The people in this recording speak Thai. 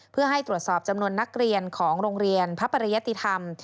เพื่อให้ตรวจสอบจำนวนนักเรียนของโรงเรียนพระปริยติธรรม